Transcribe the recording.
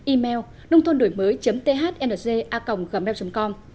email nông thuần đổi mới thng gmail com